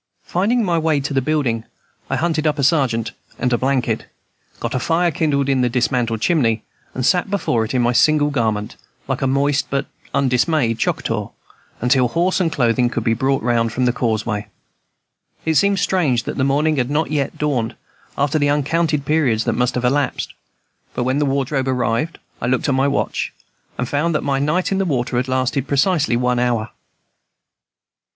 Finding my way to the building, I hunted up a sergeant and a blanket, got a fire kindled in the dismantled chimney, and sat before it in my single garment, like a moist but undismayed Choctaw, until horse and clothing could be brought round from the causeway. It seemed strange that the morning had not yet dawned, after the uncounted periods that must have elapsed; but when the wardrobe arrived I looked at my watch and found that my night in the water had lasted precisely one hour.